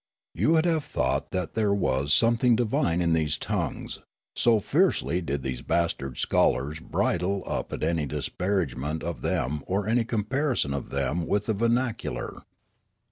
You would have thought that there was something divine in these tongues, so fiercely did these bastard scholars bridle up at any disparagement of them or any comparison of them with the vernacular.